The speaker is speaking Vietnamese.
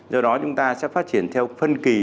do đó chúng ta sẽ phát triển theo phân kỳ